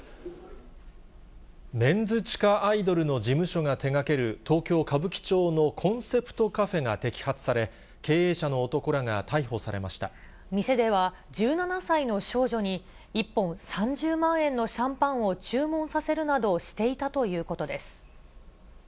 メンズ地下アイドルの事務所が手がける東京・歌舞伎町のコンセプトカフェが摘発され、経営者店では、１７歳の少女に、１本３０万円のシャンパンを注文させるなどしていたということです。